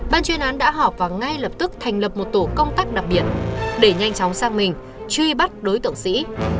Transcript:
ban chuyên án đã họp và ngay lập tức thành lập một tổ công tác đặc biệt để nhanh chóng sang mình truy bắt đối tượng sĩ